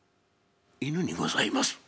犬にございます」。